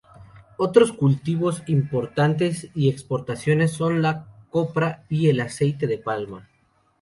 Otros cultivos importantes y exportaciones son la copra y el aceite de palma.